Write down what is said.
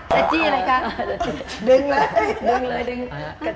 รัจจิอะไรคะ